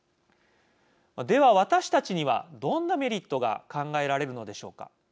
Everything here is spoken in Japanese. では、私たちにはどんなメリットが考えられるのでしょうか。